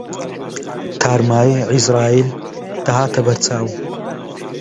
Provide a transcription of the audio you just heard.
تارماییی عیزراییل دەهاتە بەر چاوم